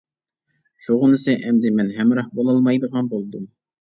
شۇغىنىسى ئەمدى مەن ھەمراھ بولالمايدىغان بولدۇم.